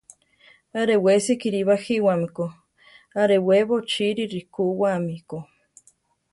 Arewesi kiri bajíwame ko; arewébo chiri rikúwami ko.